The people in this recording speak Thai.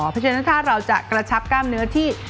เพราะฉะนั้นถ้าเราจะกระชับกล้ามเนื้อที่